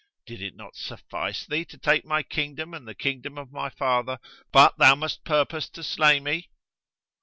Did it not suffice thee to take my kingdom and the kingdom of my father, but thou must purpose to slay me?"